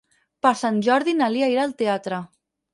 Per Sant Jordi na Lia irà al teatre.